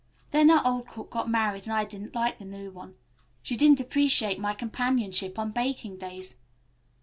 Then our old cook got married, and I didn't like our new one. She didn't appreciate my companionship on baking days.